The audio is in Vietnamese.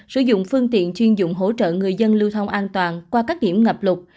sử dụng phương tiện chuyên dụng hỗ trợ người dân lưu thông an toàn qua các hiểm ngập lục